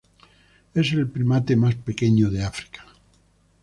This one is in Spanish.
Es el primate más pequeño de África.